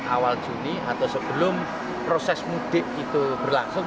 awal juni atau sebelum proses mudik itu berlangsung